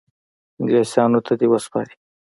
انګلیسیانو ته دي وسپاري.